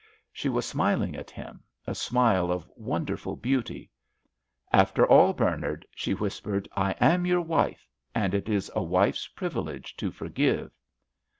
She was smiling at him, a smile of wonderful beauty. "After all, Bernard," she whispered, "I am your wife, and it is a wife's privilege to forgive."